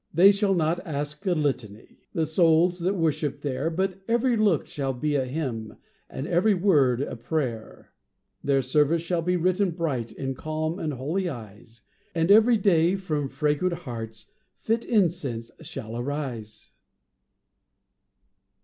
VI. They shall not ask a litany, The souls that worship there, But every look shall be a hymn, And every word a prayer; Their service shall be written bright In calm and holy eyes, And every day from fragrant hearts Fit incense shall arise.